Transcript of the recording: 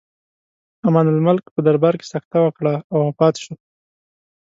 امان الملک په دربار کې سکته وکړه او وفات شو.